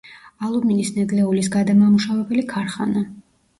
ალუმინის ნედლეულის გადამამუშავებელი ქარხანა.